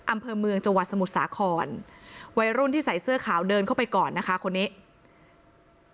อำเภอเมืองจังหวัดสมุทรสาครวัยรุ่นที่ใส่เสื้อขาวเดินเข้าไปก่อนนะคะคนนี้